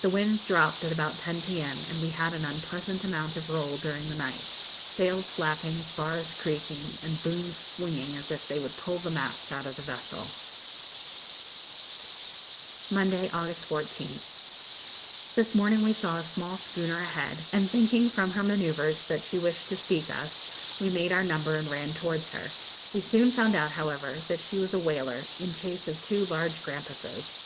The wind dropped at about 10 p.m., and we had an unpleasant amount of roll during the night, sails flapping, spars creaking, and booms swinging as if they would pull the masts out of the vessel. [Illustration: Vespers.] Monday, August 14th. This morning we saw a small schooner ahead, and thinking from her manoeuvres that she wished to speak us, we made our number and ran towards her. We soon found out, however, that she was a whaler, in chase of two large grampuses.